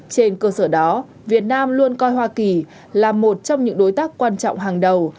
trên cơ sở đó việt nam luôn coi hoa kỳ là một trong những đối tác quan trọng hàng đầu